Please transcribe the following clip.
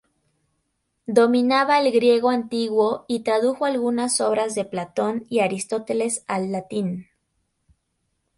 Dominaba el griego antiguo y tradujo algunas obras de Platón y Aristóteles al latín.